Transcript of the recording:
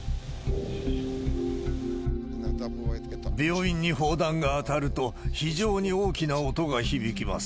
病院に砲弾が当たると、非常に大きな音が響きます。